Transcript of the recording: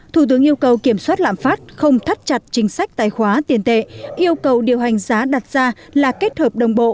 thủ tướng yêu cầu kiểm soát lạm phát không thắt chặt chính sách tài khóa tiền tệ yêu cầu điều hành giá đặt ra là kết hợp đồng bộ